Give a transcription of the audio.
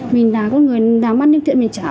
mình là con người làm bán những tiền trả